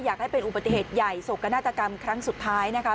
อยากให้เป็นอุบัติเหตุใหญ่โศกนาฏกรรมครั้งสุดท้ายนะคะ